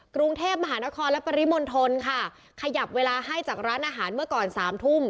กรุงเทพมหานครและปริมณฑลค่ะขยับเวลาให้จากร้านอาหารเมื่อก่อนสามทุ่ม